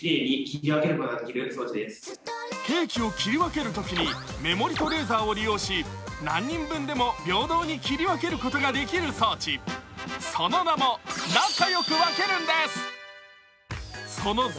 ケーキを切り分けるときに目盛りとレーザーを利用し何人分でも平等に切り分けることができる装置、その名も仲良く分けるんです。